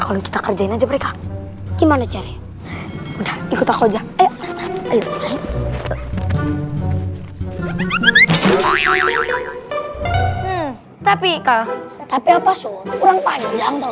kalau kita kerjain aja mereka gimana caranya udah ikut aja eh tapi kalau tapi apa suruh kurang panjang